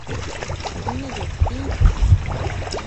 Инегеҙ! Ин!